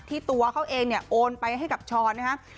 ที่ตัวเขาเองโอนไปให้กับช้อนนะครับ